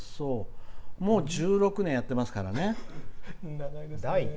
もう１６年やってますからね。